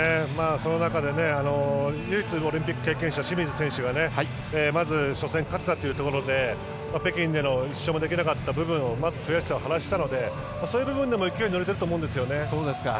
その中で唯一オリンピック経験者の清水選手が、まず初戦に勝ったというところで北京での１勝もできなかった部分でのまず悔しさを晴らしたのでそういう部分でも勢いに乗れてると思うんですよね。